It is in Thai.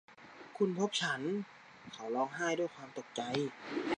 คุณพบฉัน ! เขาร้องไห้ด้วยความตกใจ